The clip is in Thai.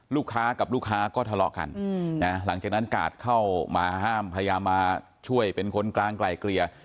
ลูกค้ากับลูกค้าก็ทะเลาะกันหลังจากนั้นกาดเข้ามาห้ามพยายามมาช่วยเป็นคนกลางไกลเกลี่ย